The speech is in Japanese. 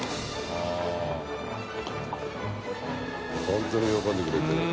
本当に喜んでくれてる。